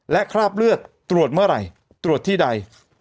และคราบเลือดตรวจเมื่อไหร่ตรวจที่ใด